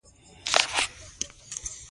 پښتو ژبه پنځه زره کلن لرغونی تاريخ لري.